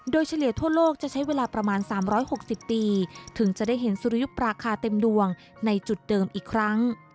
โดยเฉลี่ยทั่วโลกจะใช้เวลาประมาณ๓๖๐ปีถึงจะได้เห็นสุริยุปราคาเต็มดวงในจุดเดิมอีกครั้ง